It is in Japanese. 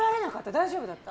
大丈夫だった？